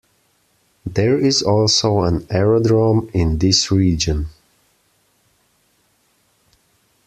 There is also an aerodrome in this region.